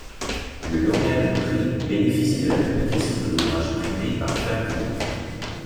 Le lauréat du prix bénéficie de la publication de l'ouvrage primé par Flamme vive.